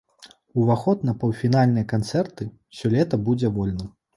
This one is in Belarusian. Уваход на паўфінальныя канцэрты сёлета будзе вольным.